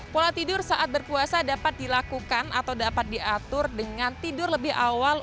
pola tidur saat berpuasa dapat dilakukan atau dapat diatur dengan tidur lebih awal